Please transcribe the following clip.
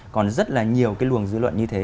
còn rất là nhiều cái luồng dư luận như thế